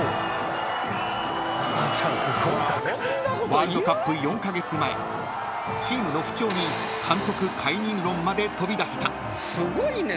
［ワールドカップ４カ月前チームの不調に監督解任論まで飛び出した］